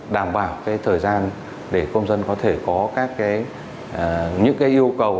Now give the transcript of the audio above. đảm bảo thời gian để công dân có thể có các yêu cầu